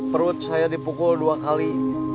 perut saya dipukul dua kali